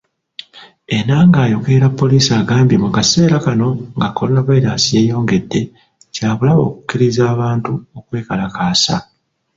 Enanga ayogerera Poliisi agambye mu kaseera kano nga Kolonavayiraasi yeeyongedde, kya bulabe okukkiriza abantu okwekalakaasa.